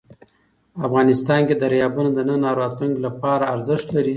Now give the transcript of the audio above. افغانستان کې دریابونه د نن او راتلونکي لپاره ارزښت لري.